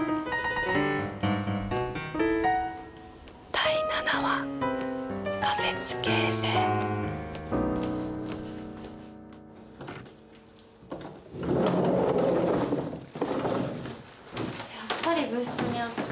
第７話やっぱり部室にあった。